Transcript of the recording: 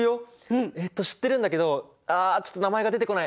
えっと知ってるんだけどあちょっと名前が出てこない。